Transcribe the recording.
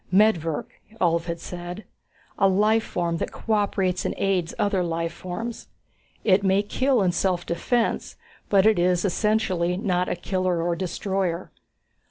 Medvirk, Ulv had said. A life form that cooperates and aids other life forms. It may kill in self defense, but it is essentially not a killer or destroyer.